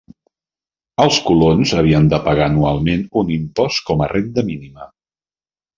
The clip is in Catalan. Els colons havien de pagar anualment un impost com a renda mínima.